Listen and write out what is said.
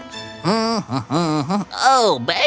penduduk kokohza sekarang tahu apa yang harus mereka lakukan